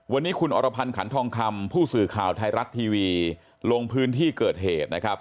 วันนี้คุณอรพันธ์ขันทองคำผู้สื่อข่าวไทยรัฐทีวีลงพื้นที่เกิดเหตุนะครับ